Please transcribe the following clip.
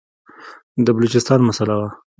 د بلوچستان مسله وه.